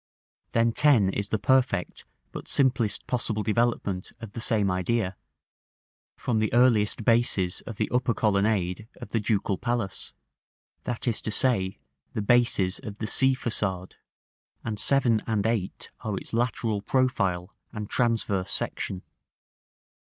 Then 10 is the perfect, but simplest possible development of the same idea, from the earliest bases of the upper colonnade of the Ducal Palace, that is to say, the bases of the sea façade; and 7 and 8 are its lateral profile and transverse section.